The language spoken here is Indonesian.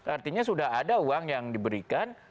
artinya sudah ada uang yang diberikan